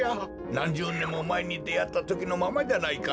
なんじゅうねんもまえにであったときのままじゃないか。